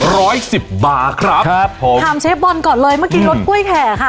ร้อยสิบบาทครับครับผมถามเชฟบอลก่อนเลยเมื่อกี้รสกล้วยแข่ค่ะ